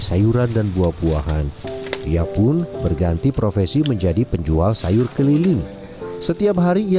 sayuran dan buah buahan ia pun berganti profesi menjadi penjual sayur keliling setiap hari ia